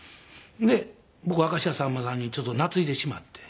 で僕明石家さんまさんに懐いてしまって。